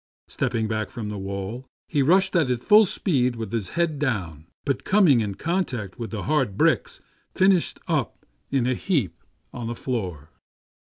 Step ping back from the wall, he rushed at it full speed with his head down ; but coming in contact with the hard bricks, finished up in a heap on the floor.